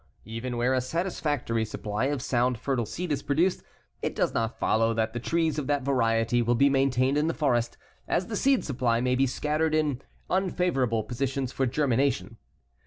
Even where a satisfactory supply of sound fertile seed is produced, it does not follow that the trees of that variety will be maintained in the forest, as the seed supply may be scattered in unfavorable positions for germination.